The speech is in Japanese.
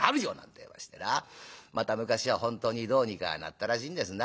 また昔は本当にどうにかなったらしいんですな。